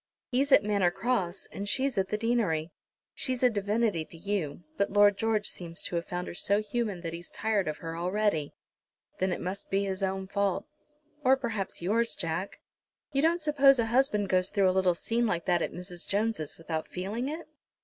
He's at Manor Cross, and she's at the deanery. She's a divinity to you, but Lord George seems to have found her so human that he's tired of her already." "Then it must be his own fault." "Or perhaps yours, Jack. You don't suppose a husband goes through a little scene like that at Mrs. Jones' without feeling it?"